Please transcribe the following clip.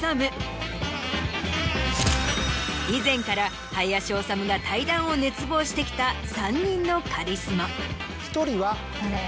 以前から林修が対談を熱望してきた３人のカリスマ。